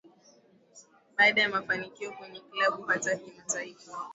Baada ya mafanikio kwenye klabu hata kimataifa